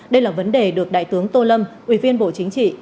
đây là vấn đề được đại tướng tô lâm ủy viên bộ chính trị